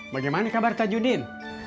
bagaimana kabar kak judin